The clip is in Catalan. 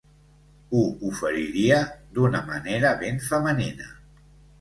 Ho oferiria d'una manera ben femenina.